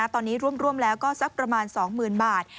ตอนนี้ร่วมแล้วก็สักประมาณ๒๐๐๐บาท